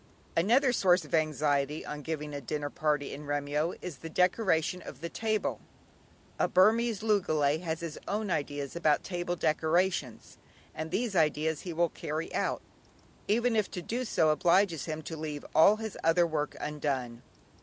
Another source of anxiety on giving a dinner party in Remyo is the decoration of the table. A Burmese loogalay has his own ideas about table decorations, and these ideas he will carry out, even if to do so obliges him to leave all his other work undone.